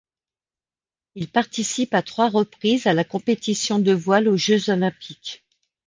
Il participe à trois reprises à la compétition de voile aux Jeux olympiques.